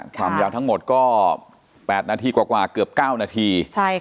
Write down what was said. ความยาวทั้งหมดก็๘นาทีกว่าเกือบ๙นาที